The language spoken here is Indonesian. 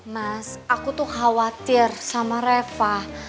mas aku tuh khawatir sama reva